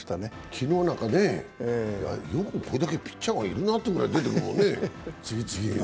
昨日なんか、よくこれだけピッチャーがいるなというくらい出てくるもんね、次々に。